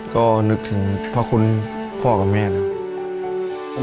ก็นึกถึงพระคุณพ่อกับแม่นะครับ